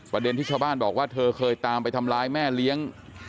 ที่ชาวบ้านบอกว่าเธอเคยตามไปทำร้ายแม่เลี้ยง